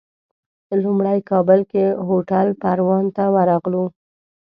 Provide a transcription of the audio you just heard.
لومړی کابل کې هوټل پروان ته ورغلو.